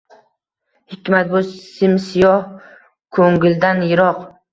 Hikmat bu – sim-siyoh koʼngildan yiroq.